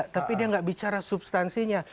tapi dia nggak bicara substansinya